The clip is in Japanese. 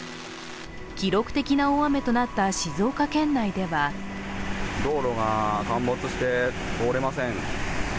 記録的な大雨となった静岡県内では道路が陥没して通れません。